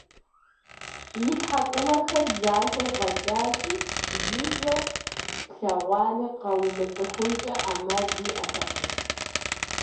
И тхьэкӀумэхэр дзасэу гъэкӀати, жыжьэу плъэгъуами, къыумыцӀыхункӀэ Ӏэмал иӀэтэкъым.